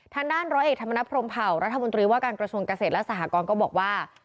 ร้อยเอกธรรมนัฐพรมเผารัฐมนตรีว่าการกระทรวงเกษตรและสหกรก็บอกว่า